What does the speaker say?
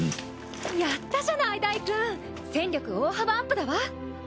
やったじゃないダイくん戦力大幅アップだわ。